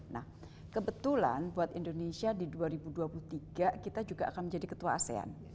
nah kebetulan buat indonesia di dua ribu dua puluh tiga kita juga akan menjadi ketua asean